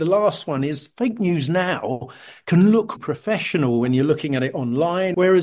alasan terakhir adalah berita palsu sekarang bisa terlihat profesional ketika anda melihatnya di luar negara